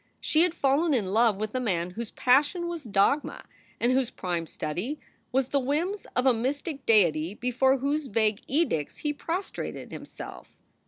She had fallen in love with a man whose passion was dogma and whose prime study was the whims of a mystic Deity before whose vague edicts he prostrated himself.